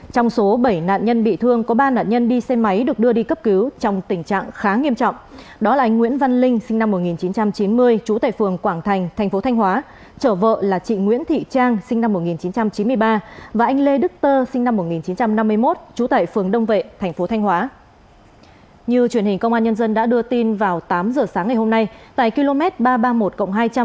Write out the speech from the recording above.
cụ thể nạn nhân tử vong là anh đào đậu tuấn sinh năm một nghìn chín trăm chín mươi chú tại huyện kim sơn tỉnh ninh bình